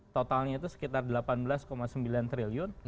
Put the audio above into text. totalnya itu sekitar delapan belas sembilan triliun